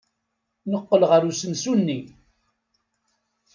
Neqqel ɣer usensu-nni.